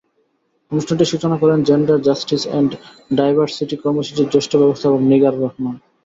অনুষ্ঠানটির সূচনা করেন জেন্ডার জাস্টিস অ্যান্ড ডাইভারসিটি কর্মসূচির জ্যেষ্ঠ ব্যবস্থাপক নিগার রহমান।